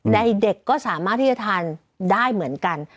เด็กก็สามารถที่จะทานได้เหมือนกัน